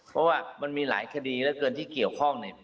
เพราะว่ามันมีหลายคดีที่เกี่ยวข้อง